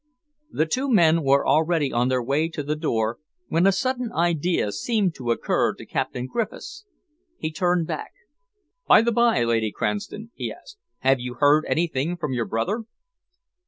The two men were already on their way to the door when a sudden idea seemed to occur to Captain Griffiths. He turned back. "By the by, Lady Cranston," he asked, "have you heard anything from your brother?"